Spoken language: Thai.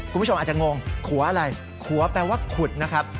คุณผู้ชมอาจจะงงขัวอะไรขัวแปลว่าขุดนะครับ